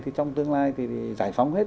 thì trong tương lai thì giải phóng hết